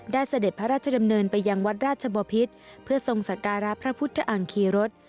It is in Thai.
เสด็จพระราชดำเนินไปยังวัดราชบพิษเพื่อทรงสการะพระพุทธอังคีรส